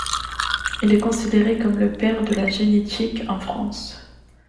Il est considéré comme le père de la génétique en France.